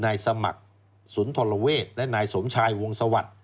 นายสมัครศูนย์ธรเวศและนายสมชายวงศวรรษ